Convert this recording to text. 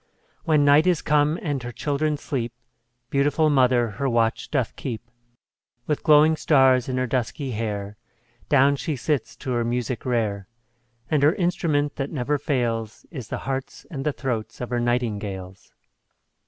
When night is come, and her children sleep, Beautiful mother her watch doth keep; With glowing stars in her dusky hair Down she sits to her music rare; And her instrument that never fails, Is the hearts and the throats of her nightingales.